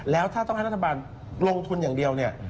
แล้วถ้าต้องให้รัฐบาลลงทุนอย่างเดียวเนี่ย